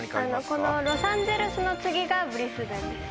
このロサンゼルスの次がブリスベンです。